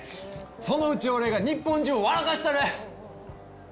そのうち俺が日本中を笑かしたる！